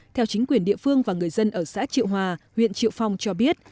theo chính quyền địa phương và người dân ở xã triệu hòa huyện triệu phong cho biết